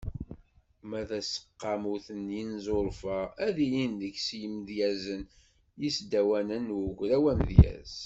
Ma d taseqqamut n yinẓurfa, ad ilin deg-s yimedyazen d yisdawanen n ugraw Amedyez.